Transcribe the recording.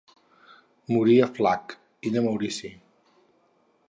Morí a Flacq, Illa Maurici.